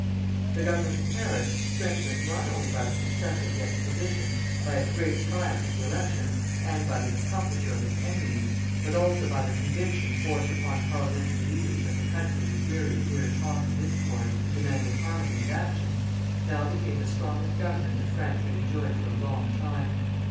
The Government of France strengthened not only by the success of the Exposition, by its great triumph at the elections, and by the discomfiture of its enemies, but also by the conviction forced upon parliamentary leaders that the country was weary of mere talk and discord, and demanded harmony and action now became the strongest Government that France had enjoyed for a long time.